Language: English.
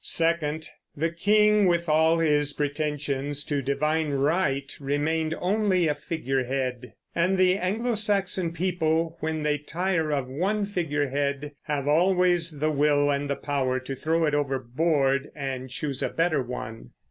Second, the king, with all his pretensions to divine right, remained only a figurehead; and the Anglo Saxon people, when they tire of one figurehead, have always the will and the power to throw it overboard and choose a better one.